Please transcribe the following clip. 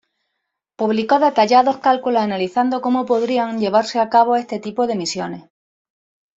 Publicó detallados cálculos analizando cómo podrían llevarse a cabo este tipo de misiones.